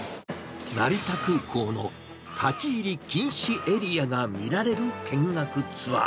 成田空港の立ち入り禁止エリアが見られる見学ツアー。